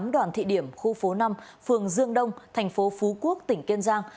đoàn thị điểm khu phố năm phường dương đông thành phố phú quốc tỉnh kiên giang